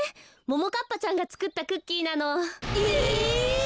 ももかっぱちゃんがつくったクッキーなの。え！